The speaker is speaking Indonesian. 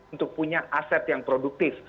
untuk punya aset yang produktif